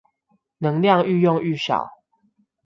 能量愈用愈少